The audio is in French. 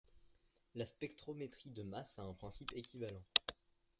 La spectrométrie de masse a un principe équivalent.